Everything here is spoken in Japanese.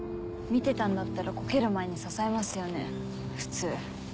見てたんだったらコケる前に支えますよね普通。